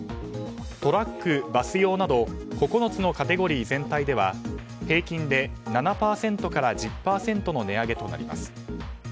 トラック・バス用など９つのカテゴリー全体では平均で７％から１０％の値上げとなります。